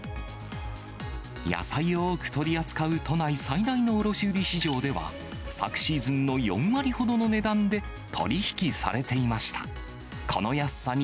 野菜を多く取り扱う都内最大の卸売市場では、昨シーズンの４割ほどの値段で取り引きされていました。